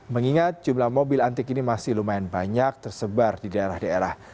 mengingat jumlah mobil antik ini masih lumayan banyak tersebar di daerah daerah